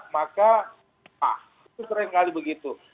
maka itu sering kali begitu